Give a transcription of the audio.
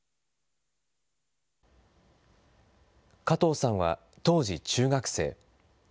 加藤さんは当時中学生。